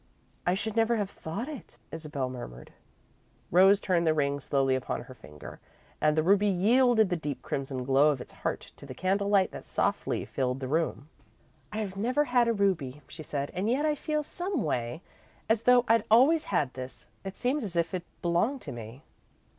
"I should never have thought it," Isabel murmured. Rose turned the ring slowly upon her finger and the ruby yielded the deep crimson glow of its heart to the candlelight that softly filled the room. "I've never had a ruby," she said, "and yet I feel, someway, as though I'd always had this. It seems as if it belonged to me."